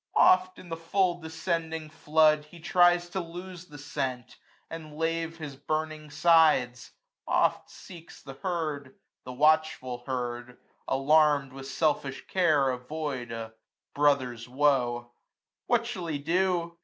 Oft in the full descending flood he tries 445 To lose the scent, and lave his burning sides : Oft seeks the herd ; the watchful herd, alarmM, With selfish care avoid a brother's woe. What shall he do